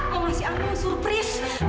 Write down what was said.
mau ngasih anu surprise